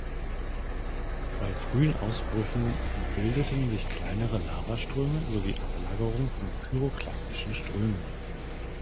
Bei frühen Ausbrüchen bildeten sich kleinere Lavaströme sowie Ablagerungen von pyroklastischen Strömen.